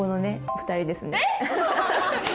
２人ですねえっ！？